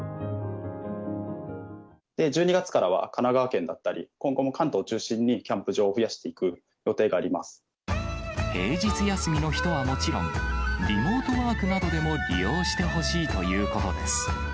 １２月からは神奈川県だったり、今後も関東を中心にキャンプ平日休みの人はもちろん、リモートワークなどでも利用してほしいということです。